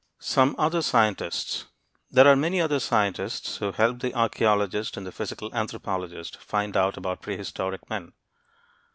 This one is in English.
SOME OTHER SCIENTISTS There are many other scientists who help the archeologist and the physical anthropologist find out about prehistoric men.